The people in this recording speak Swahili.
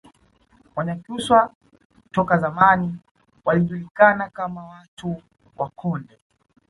Wanyakyusa toka zamani walijulikana kama watu wa Konde